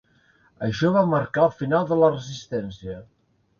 Això va marcar el final de la Resistència.